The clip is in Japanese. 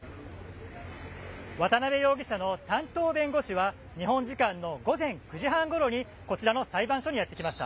渡辺容疑者の担当弁護士は日本時間の午前９時半ごろにこちらの裁判所にやってきました。